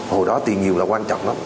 hồi đó tiền nhiều là quan trọng lắm